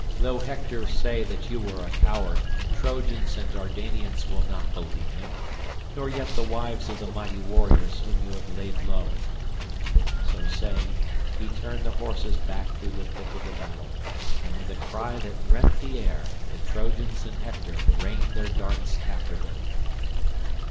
Though Hector say that you are a coward the Trojans and Dardanians will not believe him, nor yet the wives of the mighty warriors whom you have laid low." So saying he turned the horses back through the thick of the battle, and with a cry that rent the air the Trojans and Hector rained their darts after them.